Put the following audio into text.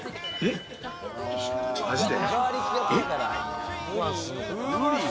マジで？